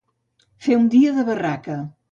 Fer un dia de barraca.